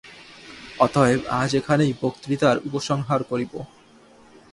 অতএব আজ এখানেই বক্তৃতার উপসংহার করিব।